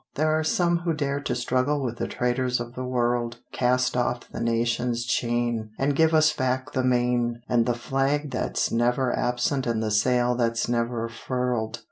There are some who dare to struggle with the traders of the world. Cast off the nation's chain, And give us back the main, And the flag that's never absent and the sail that's never furled.